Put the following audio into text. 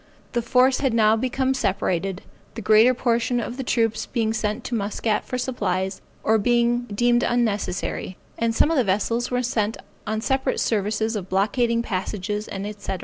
The force had now become separated, the greater portion of the troops being sent to Muscat for supplies, or being deemed unnecessary, and some of the vessels sent on separate services of blockading passages, &c.